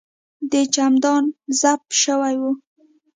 د چمدان زپ شوی و.